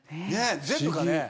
全部かね？